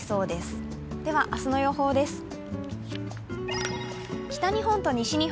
では明日の予報です。